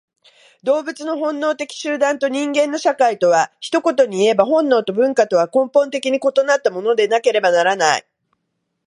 動物の本能的集団と人間の社会とは、一言にいえば本能と文化とは根本的に異なったものでなければならない。